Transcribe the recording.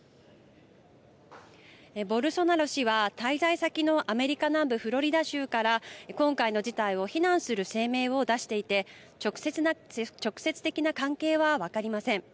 ボルソナロ氏は滞在先のアメリカ南部フロリダ州から今回の事態を非難する声明を出していて直接的な関係は分かりません。